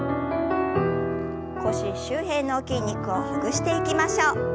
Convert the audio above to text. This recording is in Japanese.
腰周辺の筋肉をほぐしていきましょう。